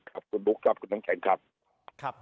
ขอบคุณลุกขอบคุณนักแข่งครับ